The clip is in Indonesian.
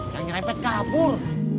yang ngerempet kabur